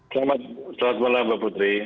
selamat malam mbak putri